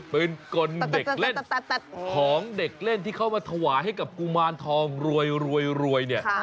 ปืนกลเด็กเล่นของเด็กเล่นที่เขามาถวาให้กับกุมารทองรวยเยอะมากเลยนะครับ